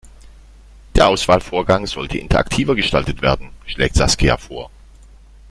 Der Auswahlvorgang sollte interaktiver gestaltet werden, schlägt Saskia vor.